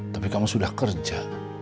tapi kamu sudah kerja